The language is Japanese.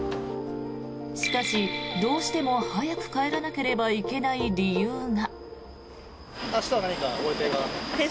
しかし、どうしても早く帰らなければいけない理由が。